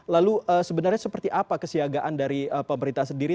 lalu sebenarnya seperti apa kesiagaan dari pemerintah sendiri